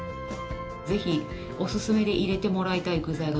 ぜひおすすめで入れてもらいたい具材が